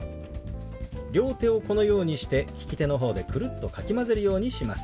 両手をこのようにして利き手の方でくるっとかき混ぜるようにします。